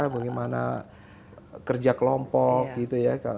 bagaimana kerja kelompok gitu ya